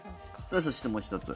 そして、もう１つ。